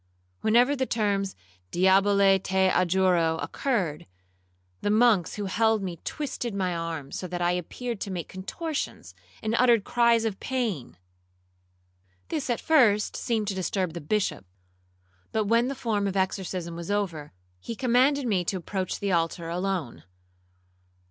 Whenever the terms 'diabole te adjuro' occurred, the monks who held me twisted my arms, so that I appeared to make contortions, and uttered cries of pain. This, at first, seemed to disturb the Bishop; but when the form of exorcism was over, he commanded me to approach the altar alone.